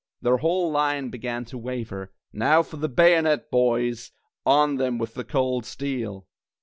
Their whole line began to waver Now for the bayonet, boys! On them with the cold steel!